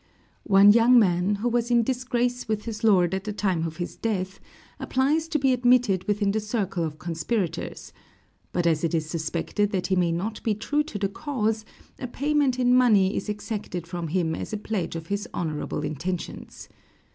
One young man, who was in disgrace with his lord at the time of his death, applies to be admitted within the circle of conspirators; but as it is suspected that he may not be true to the cause, a payment in money is exacted from him as a pledge of his honorable intentions.